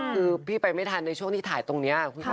คือพี่ไปไม่ทันในช่วงที่ถ่ายตรงนี้